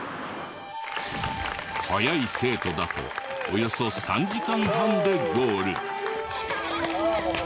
早い生徒だとおよそ３時間半でゴール。